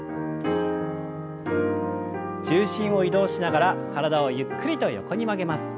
重心を移動しながら体をゆっくりと横に曲げます。